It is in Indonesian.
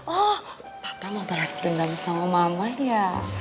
oh kamu mau balas dendam sama saya ya